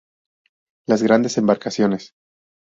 Las grandes embarcaciones.